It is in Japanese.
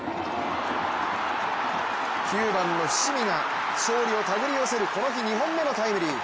９番の伏見が勝利を手繰り寄せるこの日２本目のタイムリー。